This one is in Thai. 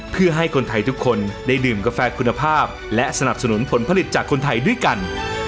เพื่อให้คนไทยทุกคนได้ดื่มกาแฟคุณภาพและสนับสนุนผลผลิตจากคนไทยด้วยกัน